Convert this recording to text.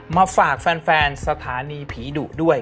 มาฝากแฟนสถานีผีดุด้วย